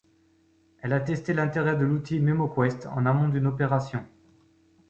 Elle a testé l’intérêt de l’outil MemoQuest en amont d’une opération.